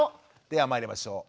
ではまいりましょう。